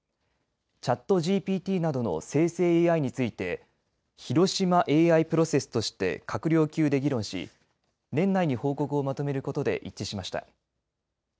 ＣｈａｔＧＰＴなどの生成ＡＩについて広島ＡＩプロセスとして閣僚級で議論し年内に報告をまとめることで一致しました。